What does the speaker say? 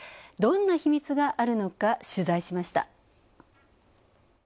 どんな秘密があるのか取材しました。